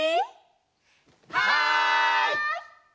はい！